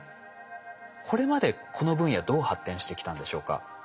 これまでこの分野どう発展してきたんでしょうか？